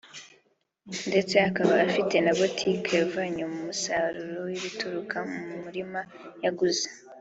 ndetse akaba afite na butike yavanye mu musaruro w’ibituruka mu murima yaguze